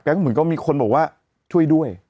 ก็เหมือนก็มีคนบอกว่าช่วยด้วย